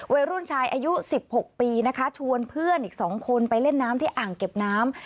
วัยรุ่นชายอายุ๑๖ปีนะคะชวนเพื่อนอีก๒คนไปเล่นน้ำที่อ่างเก็บน้ำ